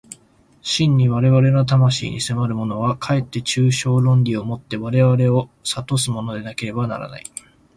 真に我々の魂に迫るものは、かえって抽象論理を以て我々を唆すものでなければならない。